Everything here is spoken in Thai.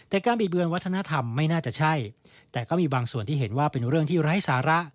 แต่การบิดเบือนวัฒนธรรมไม่น่าจะใช่แต่ก็มีบางส่วนที่เห็นว่าเป็นเรื่องที่ไร้สาระ